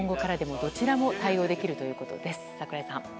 １台でどちらも対応できるということです。